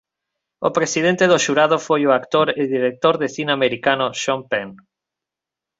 O presidente do xurado foi o actor e director de cine americano Sean Penn.